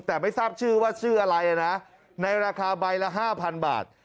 แต่ไม่ทราบชื่อว่าชื่ออะไรนะในราคาใบละ๕๐๐๐บาท